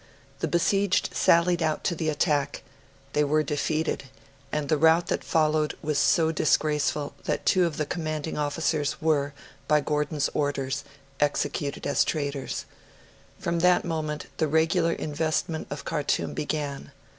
The besieged sallied out to the attack; they were defeated; and the rout that followed was so disgraceful that two of the commanding officers were, by Gordon's orders, executed as traitors. From that moment the regular investment of Khartoum began.